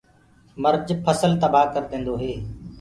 مرج ڦسل تبآه ڪرديندو هي۔